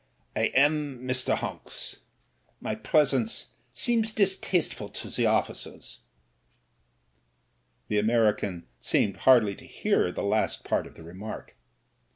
"I am, Mr. Honks. My presence seems distasteful to the officers.'* The American seemed hardly to hear the last part of the remark.